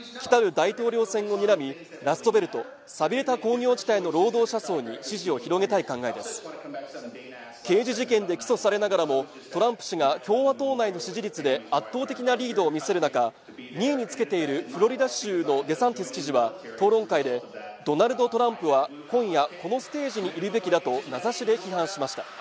大統領選をにらみラストベルト＝さびれた工業地帯の労働者層に支持を広げたい考えです刑事事件で起訴されながらもトランプ氏が共和党内の支持率で圧倒的なリードを見せる中２位につけているフロリダ州のデサンティス知事は討論会でドナルド・トランプは今夜このステージにいるべきだと名指しで批判しました